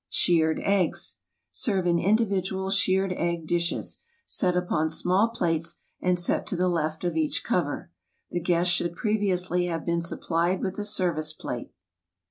Shirred Eggs SERVE in individual shirred egg dishes, set upon small plates and set to the left of each cover. The guest should pre viously have been supplied with the service plate.